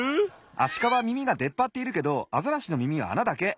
アシカはみみがでっぱっているけどアザラシのみみはあなだけ。